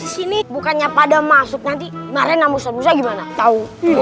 sini bukannya pada masuk nanti marah namun sebesar gimana tahu